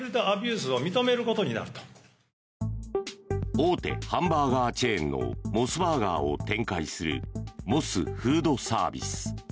大手ハンバーガーチェーンのモスバーガーを展開するモスフードサービス。